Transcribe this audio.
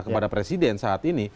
kepada presiden saat ini